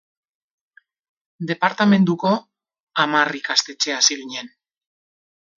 Departamenduko hamar ikastetxe hasi ginen.